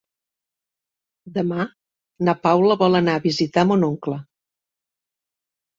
Demà na Paula vol anar a visitar mon oncle.